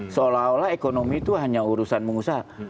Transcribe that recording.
seolah olah ekonomi itu hanya urusan pengusaha